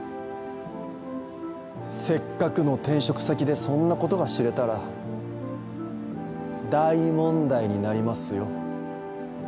せっかくの転職先でそんなことが知れたら大問題になりますよ。